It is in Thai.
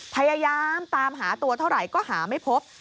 พยายามตามหาตัวเท่าไหร่ก็หาไม่พบ